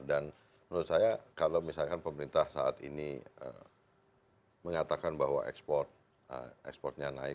dan menurut saya kalau misalkan pemerintah saat ini mengatakan bahwa ekspornya naik